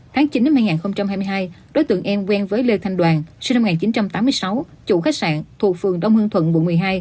tháng chín năm hai nghìn hai mươi hai đối tượng an quen với lê thanh đoàn sinh năm một nghìn chín trăm tám mươi sáu chủ khách sạn thuộc phường đông hương thuận quận một mươi hai